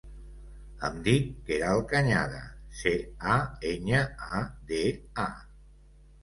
Em dic Queralt Cañada: ce, a, enya, a, de, a.